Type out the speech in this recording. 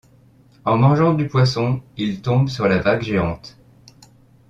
En mangeant du poisson, ils tombent sur la vague géante.